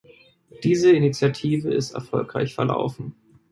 Diese Initiative ist erfolgreich verlaufen.